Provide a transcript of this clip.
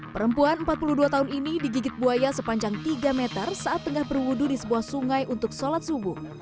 perempuan empat puluh dua tahun ini digigit buaya sepanjang tiga meter saat tengah berwudu di sebuah sungai untuk sholat subuh